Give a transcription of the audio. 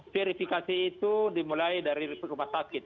verifikasi itu dimulai dari rumah sakit